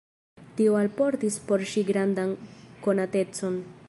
Tio alportis por ŝi grandan konatecon.